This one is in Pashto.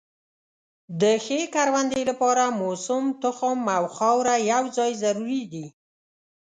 د ښې کروندې لپاره موسم، تخم او خاوره یو ځای ضروري دي.